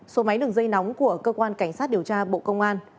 số máy đường dây nóng của cơ quan cảnh sát điều tra bộ công an